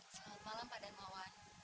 selamat malam pak dan mawan